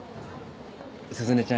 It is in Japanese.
鈴音ちゃん